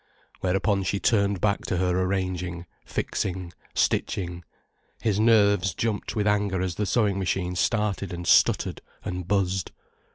Whereupon she turned back to her arranging, fixing, stitching, his nerves jumped with anger as the sewing machine started and stuttered and buzzed.